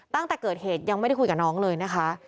ตั้งแต่เกิดเหตุยังไม่ได้คุยกับน้องเลยนะคะ